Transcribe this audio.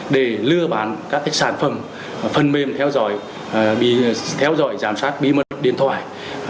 để lừa bán các sản phẩm phần mềm theo dõi giám sát bí mật điện thoại